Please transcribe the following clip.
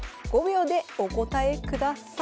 ５秒でお答えください。